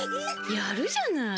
やるじゃない。